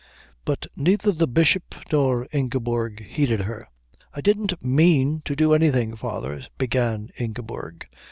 But neither the Bishop nor Ingeborg heeded her. "I didn't mean to do anything, father " began Ingeborg.